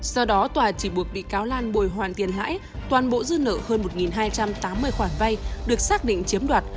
do đó tòa chỉ buộc bị cáo lan bồi hoàn tiền lãi toàn bộ dư nợ hơn một hai trăm tám mươi khoản vay được xác định chiếm đoạt